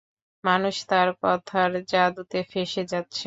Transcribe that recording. মানুষ তার কথার যাদুতে ফেঁসে যাচ্ছে।